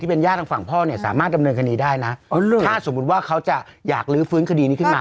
เป็นญาติทางฝั่งพ่อเนี่ยสามารถดำเนินคดีได้นะถ้าสมมุติว่าเขาจะอยากลื้อฟื้นคดีนี้ขึ้นมา